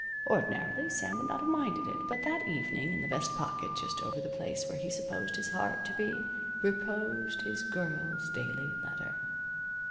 Ordinarily, Sam would not have minded it. But that evening, in the vest pocket just over the place where he supposed his heart to be reposed his girl's daily letter.